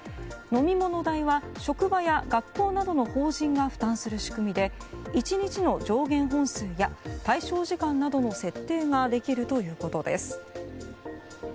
飲み物代は、職場や学校などの法人が負担する仕組みで１日の上限本数や対象時間などの設定ができるということです。